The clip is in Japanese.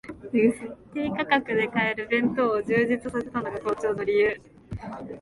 低価格で買える弁当を充実させたのが好調の理由